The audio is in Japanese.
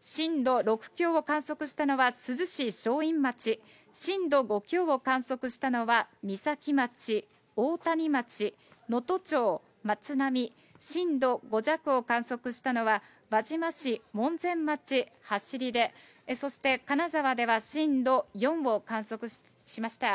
震度６強を観測したのは珠洲市正院町、震度５強を観測したのはみさき町、おおたに町、能登町まつなみ、震度５弱を観測したのは輪島市、門前町、走出、そして金沢では震度４を観測しました。